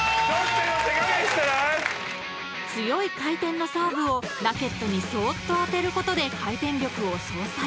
［強い回転のサーブをラケットにそーっと当てることで回転力を相殺］